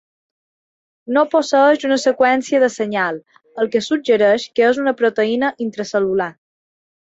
No posseeix una seqüència de senyal, el que suggereix que és una proteïna intracel·lular.